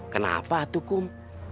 kenapa tuh kum